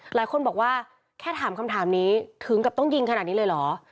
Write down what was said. หลายคนบอกว่าแค่ถามคำถามนี้ถึงกับต้องยิงขนาดนี้เลยเหรอ